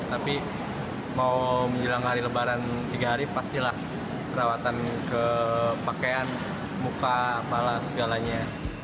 tapi mau menjelang hari lebaran tiga hari pastilah perawatan ke pakaian muka apalah segalanya